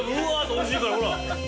おいしいからほら。